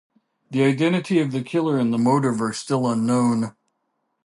The identity of the killer and the motive are still unknown.